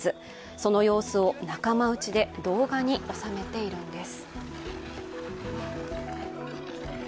その様子を仲間内で動画に収めているんです。